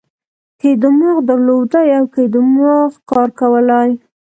که یې دماغ درلودای او که یې دماغ کار کولای.